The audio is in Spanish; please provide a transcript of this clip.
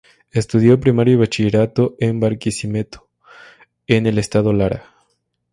Estudió primaria y bachillerato en Barquisimeto, en el estado Lara.